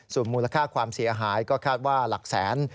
ส่วนมูลค่าความเสียหายก็คาดว่าหลักแสน